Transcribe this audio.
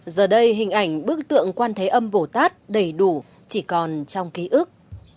giờ đây hình ảnh bức tượng quan thế âm vổ tát đầy đủ chỉ còn trong ký ức